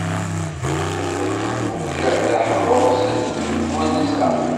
Ad tt-iqqen umjahed aḥrur, s nnig n twenza.